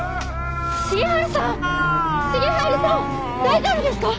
大丈夫ですか！？